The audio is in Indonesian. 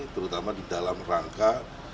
terutama di dalam rangka